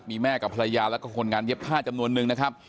มีแม่กับภรรยาแล้วก็คนงานเย็บผ้าจำนวนนึงนะครับ